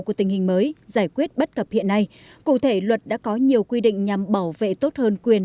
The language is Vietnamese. của tình hình mới giải quyết bất cập hiện nay cụ thể luật đã có nhiều quy định nhằm bảo vệ tốt hơn quyền